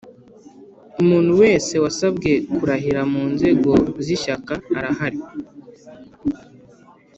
Umuntu wese wasabwe kurahira mu nzego zishyaka arahari